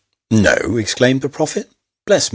" No !" exclaimed the prophet. " Bless me